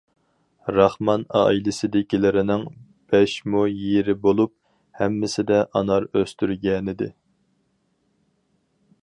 راخمان ئائىلىسىدىكىلەرنىڭ بەش مو يېرى بولۇپ، ھەممىسىدە ئانار ئۆستۈرگەنىدى.